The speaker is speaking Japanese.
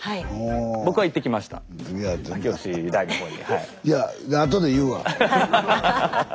はい。